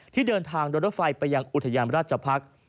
ที่เดินทางโดยรถไฟไปยังอุทยานราชพักษ์